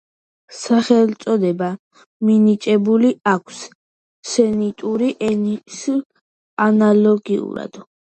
სახელწოდება მინიჭებული აქვს სემიტური ენების ანალოგიურად.